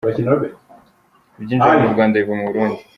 Ibyinjira mu Rwanda biva mu Burundi.